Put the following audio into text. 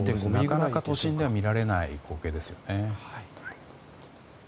なかなか都心では見られない光景ですよね。